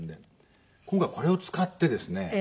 今回はこれを使ってですね